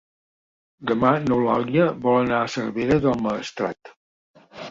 Demà n'Eulàlia vol anar a Cervera del Maestrat.